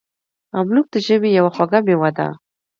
املوک د ژمي یوه خوږه میوه ده.